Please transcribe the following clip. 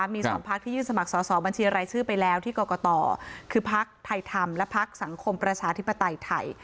มี๒พักที่ยื่นสมัครสอบบัญชีรายชื่อไปแล้วที่กรกตคือพักไทยธรรมและพักสังคมประชาธิปไตยไทย